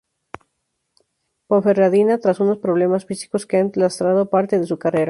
Ponferradina tras unos problemas físicos que han lastrado parte de su carrera.